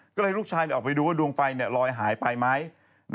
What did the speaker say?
ก็เลยลูกชายออกไปดูว่าดวงไฟลอยหายไปไหม